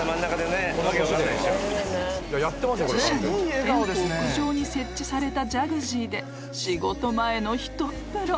［自社の店舗屋上に設置されたジャグジーで仕事前のひとっ風呂］